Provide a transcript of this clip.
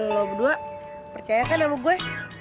lo berdua percayakan sama gue